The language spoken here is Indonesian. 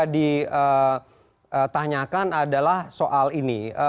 ditanyakan adalah soal ini